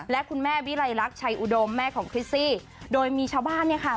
และคุณแม่วิไลรักชัยอุดมแม่ของคริสซี่โดยมีชาวบ้านเนี่ยค่ะ